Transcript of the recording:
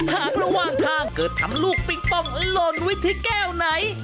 หากระหว่างทางเกิดทำลูกปิงปองหล่นไว้ที่แก้วไหน